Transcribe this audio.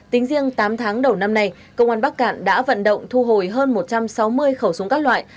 tính riêng tám tháng đầu năm nay công an bắc cạn đã vận động thu hồi hơn một trăm sáu mươi khẩu súng các loại